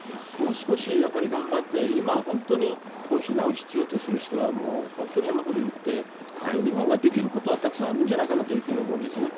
もう少し頑張って今本当に避難を必要とする人は本当に山ほどいて日本ができることはたくさんあるじゃないかなと思うんです。